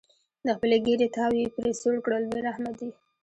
د خپلې ګېډې تاو یې پرې سوړ کړل بې رحمه دي.